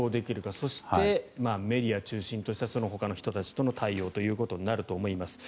そしてメディア中心としたそのほかの人たちの対応ということになると思います。